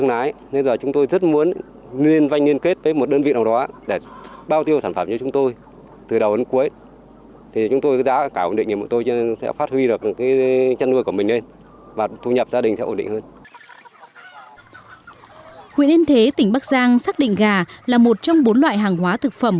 huyện yên thế tỉnh bắc giang xác định gà là một trong bốn loại hàng hóa thực phẩm